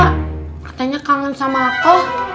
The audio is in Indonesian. katanya kangen sama aku